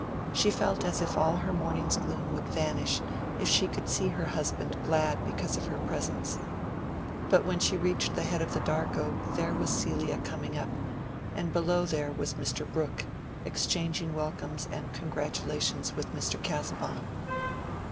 She felt as if all her morning's gloom would vanish if she could see her husband glad because of her presence. But when she reached the head of the dark oak there was Celia coming up, and below there was Mr. Brooke, exchanging welcomes and congratulations with Mr. Casaubon.